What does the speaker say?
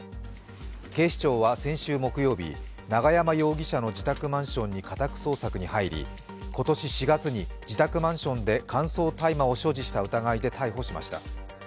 警視庁は先週木曜日、永山容疑者の自宅マンションに家宅捜索に入り今年４月に自宅マンションで乾燥大麻を所持した疑いで逮捕しました。